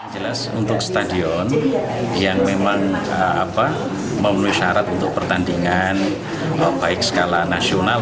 jelas untuk stadion yang memang memenuhi syarat untuk pertandingan baik skala nasional